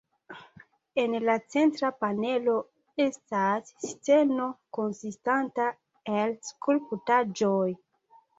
En la centra panelo estas sceno konsistanta el skulptaĵoj.